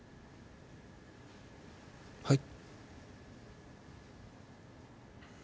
はい。